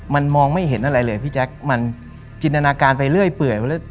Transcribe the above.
มันมองไม่เห็นอะไรเลยพี่แจ๊คมันจินตนาการไปเรื่อยเปื่อย